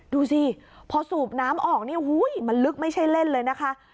ดูสิพอสูบน้ำออกนี่มันลึกไม่ใช่เล่นเลยนะคะ